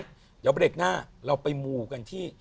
เดี๋ยวเบรกหน้าเราไปมูกันที่